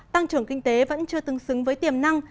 tăng trưởng kinh tế vẫn chưa tương xứng với tiềm năng